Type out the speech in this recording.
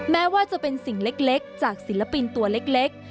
แม้ว่าจะเป็นสิ่งเล็กจากศิลปินตัวเล็ก